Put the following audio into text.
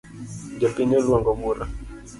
Jopiny oluongo bura